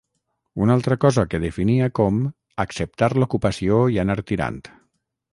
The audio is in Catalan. Una altra cosa que definia com ‘acceptar l’ocupació i anar tirant’.